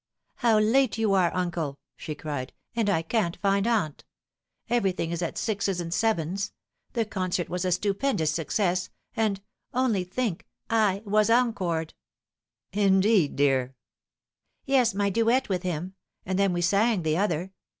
" How late you are, uncle !" she cried, u and I can't find aunt. Everything is at sixes and sevens. The concert was a stupendous success and only think 1 / was encored." " Indeed, dear !"" Yes, my duet with him : and then we sang the other.